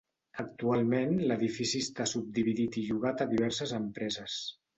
Actualment l'edifici està subdividit i llogat a diverses empreses.